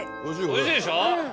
おいしいでしょ。